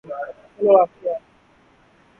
Slovakia